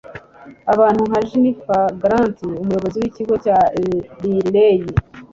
Abantu nka Jennifer Grant, umuyobozi w'ikigo cya Riley,